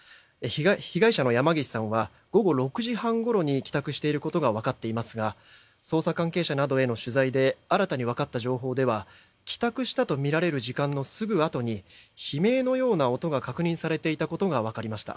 被害者の山岸さんは午後６時半ごろに帰宅していることが分かっていますが捜査関係者などへの取材で新たに分かった情報では帰宅したとみられる時間のすぐあとに、悲鳴のような音が確認されていたことが分かりました。